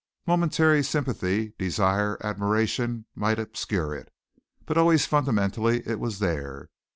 Momentary sympathy, desire, admiration, might obscure it, but always fundamentally it was there.